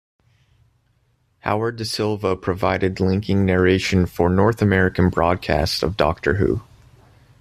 Howard Da Silva provided linking narration for North American broadcasts of Doctor Who.